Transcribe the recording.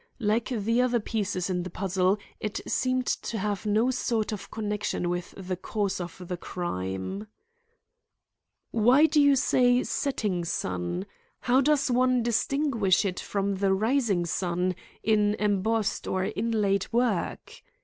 Like the other pieces in the puzzle, it seemed to have no sort of connection with the cause of the crime. "Why do you say 'setting sun'? How does one distinguish it from the rising sun in embossed or inlaid work?"